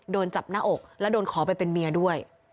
โดนจับหน้าอกและโดนขอไปเป็นเมียด้วย